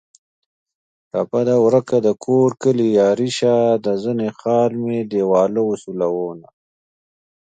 ټپه ده: ورکه دکور کلي یاري شه د زنې خال مې دېواله و سولونه